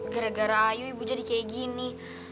gara gara ayo ibu jadi kayak gini